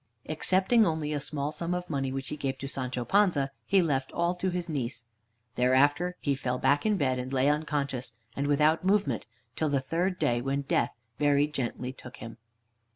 Excepting only a small sum of money which he gave to Sancho Panza, he left all to his niece. Thereafter he fell back in bed, and lay unconscious and without movement till the third day, when death very gently took him.